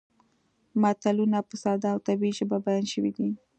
متلونه په ساده او طبیعي ژبه بیان شوي دي